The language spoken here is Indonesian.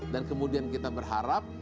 dan kemudian kita berharap